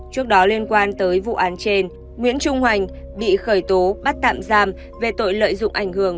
trước đó liên quan tới vụ án trên nguyễn trung hoành bị khởi tố bắt tạm giam về tội lợi dụng ảnh hưởng